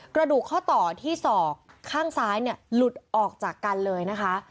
กระดูกข้อต่อที่ศอกข้างซ้ายเนี่ยหลุดออกจากกันเลยนะคะ